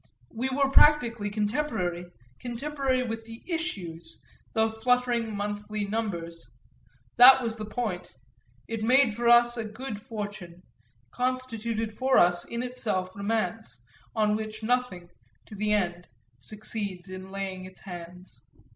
We were practically contemporary, contemporary with the issues, the fluttering monthly numbers that was the point; it made for us a good fortune, constituted for us in itself romance, on which nothing, to the end, succeeds in laying its hands.